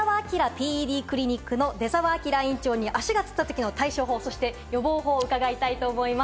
ＰＥＤクリニックの出沢明院長に足がつったときの対処法・予防法を伺いたいと思います。